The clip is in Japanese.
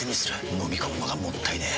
のみ込むのがもったいねえ。